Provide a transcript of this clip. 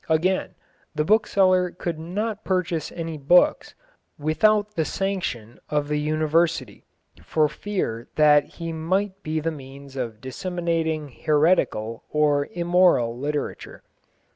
Again, the bookseller could not purchase any books without the sanction of the University, for fear that he might be the means of disseminating heretical or immoral literature.